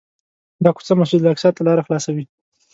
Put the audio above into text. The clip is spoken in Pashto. دا کوڅه مسجدالاقصی ته لاره خلاصوي.